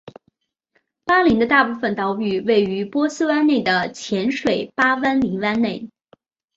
巴林的大部分岛屿位于波斯湾内的浅水湾巴林湾内。